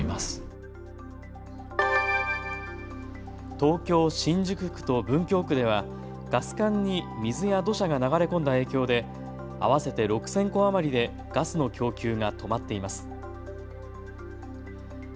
東京新宿区と文京区ではガス管に水や土砂が流れ込んだ影響で合わせて６０００戸余りでガスの供給が止まっています。